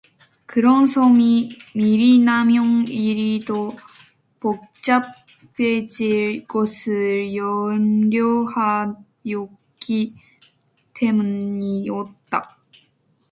그런 소문이 미리 나면 일이 더 복잡해질 것을 염려하였기 때문이었다.